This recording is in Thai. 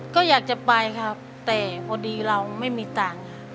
ก็อยากจะไปครับแต่พอดีเราไม่มีตังค์